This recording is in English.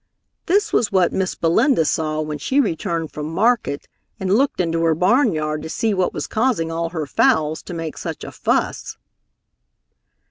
This was what Miss Belinda saw when she returned from market and looked into her barnyard to see what was causing all her fowls to make such a fuss.